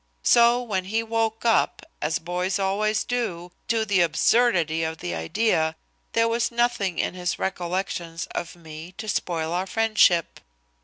So when he woke up, as boys always do, to the absurdity of the idea, there was nothing in his recollections of me to spoil our friendship.